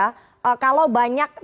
kalau banyak teman teman yang berpikir